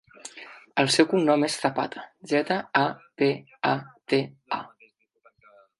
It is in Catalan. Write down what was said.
El seu cognom és Zapata: zeta, a, pe, a, te, a.